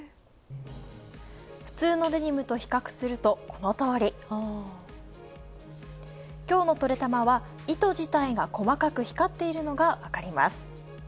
普通のデニムと比較すると、このとおり。きょうの「トレたま」は糸自体が細かく光っているのがわかります